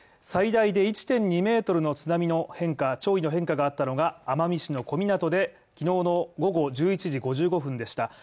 最大で１．２ｍの津波の変化潮位の変化があったのが、奄美市の小湊で、昨日の午後１１時５５分でした。